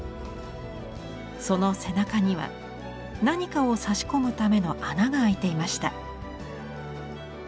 その背中には何かを差し込むための穴が開いていました。